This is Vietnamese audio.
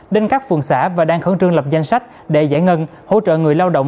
đến các phường xã và đang khẩn trương lập danh sách để giải ngân hỗ trợ người lao động